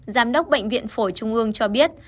giám đốc bệnh viện phổi trung ương cho biết